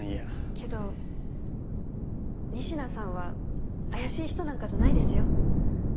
けど仁科さんは怪しい人なんかじゃないですよ。